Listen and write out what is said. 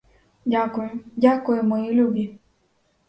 Дякую, дякую, мої любі!